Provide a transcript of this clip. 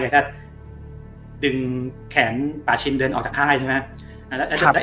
กายก็ดึงแขนปลาชินเดินออกจากค่าย